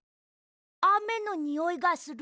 あめのにおいがする。